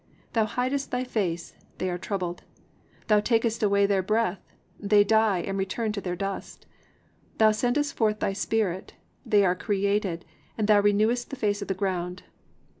(29) Thou hidest thy face, they are troubled; thou takest away their breath, they die, and return to their dust. (30) Thou sendest forth thy spirit, they are created; and thou renewest the face of the ground."